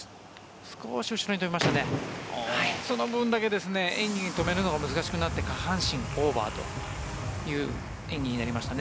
その分だけ演技を止めるのが難しくなって下半身オーバーという演技になりましたね。